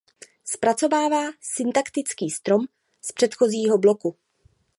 Zpracovává syntaktický strom z předchozího bloku.